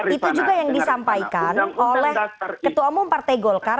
itu juga yang disampaikan oleh ketua umum partai golkar